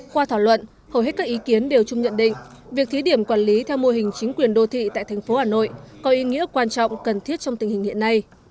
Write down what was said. qua thảo luận hầu hết các ý kiến đều chung nhận định việc thí điểm quản lý theo mô hình chính quyền đô thị tại thành phố hà nội có ý nghĩa quan trọng cần thiết trong tình hình hiện nay